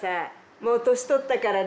もう年取ったからね。